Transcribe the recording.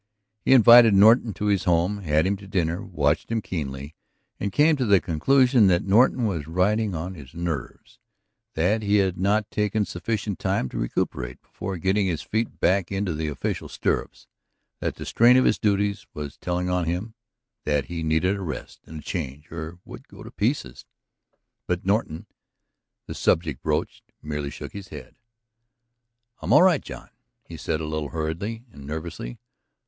He invited Norton to his home, had him to dinner, watched him keenly, and came to the conclusion that Norton was riding on his nerves, that he had not taken sufficient time to recuperate before getting his feet back into the official stirrups, that the strain of his duties was telling on him, that he needed a rest and a change or would go to pieces. But Norton, the subject broached, merely shook his head. "I'm all right, John," he said a little hurriedly and nervously.